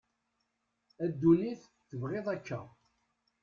a dunit tebγiḍ akka